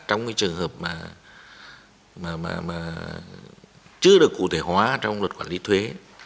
trong cái trường hợp mà chưa được cụ thể hóa trong luật quản lý thuế